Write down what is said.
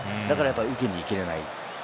だから受けに行けない。